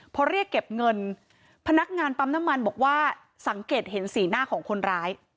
พอเรียกเก็บเงินพนักงานปั๊มน้ำมันบอกว่าสังเกตเห็นสีหน้าของคนร้าย